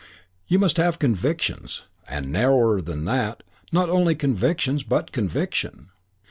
You must have convictions. And narrower than that not only convictions but conviction.